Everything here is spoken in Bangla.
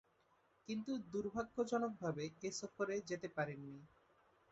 কিন্তু দূর্ভাগ্যজনকভাবে এ সফরে যেতে পারেননি।